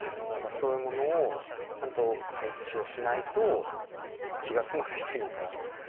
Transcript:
何かそういうものをちゃんと配置をしないと気が済まないというか。